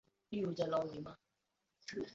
但俄军始终未能知道日军的准确登陆地点。